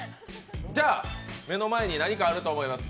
目の前に何かあると思います